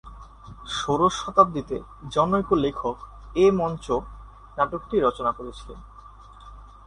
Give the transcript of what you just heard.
ষোড়শ শতাব্দীতে জনৈক লেখক এ মঞ্চ নাটকটি রচনা করেছিলেন।